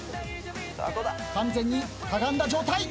完全にかがんだ状態。